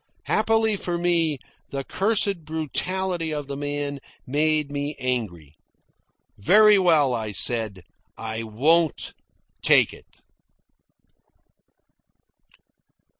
Happily for me, the cursed brutality of the man made me angry. "Very well," I said. "I won't take it."